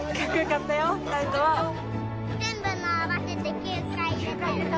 全部の合わせて９回入れた。